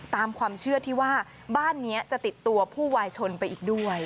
ตามความเชื่อที่ว่าบ้านนี้จะติดตัวผู้วายชนไปอีกด้วย